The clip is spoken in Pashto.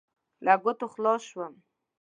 له ګوتو خلاص شوم.